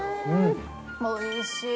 おいしい。